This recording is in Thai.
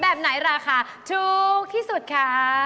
แบบไหนราคาถูกที่สุดคะ